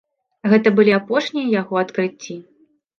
Гэта былі апошнія яго адкрыцці.